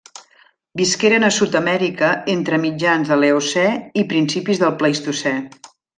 Visqueren a Sud-amèrica entre mitjans de l'Eocè i principis del Plistocè.